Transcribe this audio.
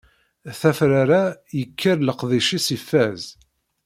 Tafrara yekker leqdic-is ifaz.